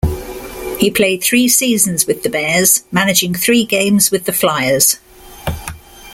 He played three seasons with the Bears, managing three games with the Flyers.